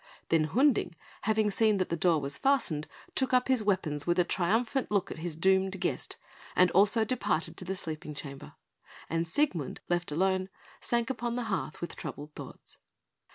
Then Hunding, having seen that the door was fastened, took up his weapons with a triumphant look at his doomed guest, and also departed to the sleeping chamber; and Siegmund, left alone, sank upon the hearth with troubled thoughts.